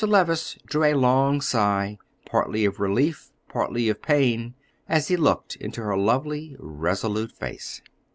Levice drew a long sigh, partly of relief, partly of pain, as he looked into her lovely, resolute face.